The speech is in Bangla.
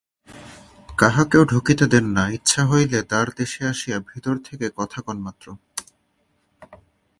কাহাকেও ঢুকিতে দেন না, ইচ্ছা হইলে দ্বারদেশে আসিয়া ভিতর থেকে কথা কন মাত্র।